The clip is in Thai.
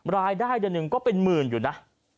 รายได้เดือนหนึ่งก็เป็นหมื่นอยู่นะ